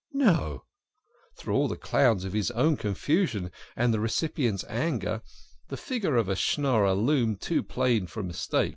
No ! Through all the clouds of his own confusion and the recipient's anger, the figure of a Schnorrer loomed too plain for mistake.